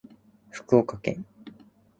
福岡県